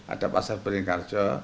ada pasar beringarjo